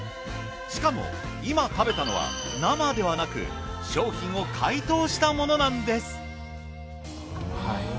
しかも今食べたのは生ではなく商品を解凍したものなんです。